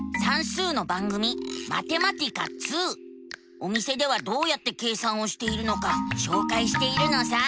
お店ではどうやって計算をしているのかしょうかいしているのさ。